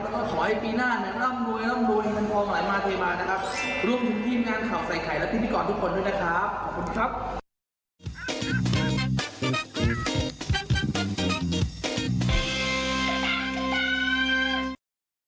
แล้วก็ขอให้ปีหน้าเราร่ำรวย